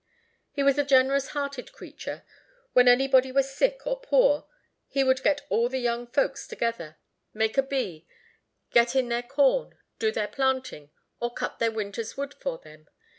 He was a generous hearted creature; when anybody was sick or poor he would get all the young folks together, make a bee, get in their corn, do their planting, or cut their winter's wood for them.